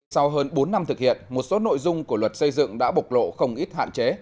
sau hơn bốn năm thực hiện một số nội dung của luật xây dựng đã bộc lộ không ít hạn chế